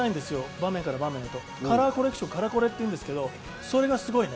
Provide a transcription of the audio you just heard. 場面から場面へとカラーコレクションカラコレっていうんですけどそれがすごいね。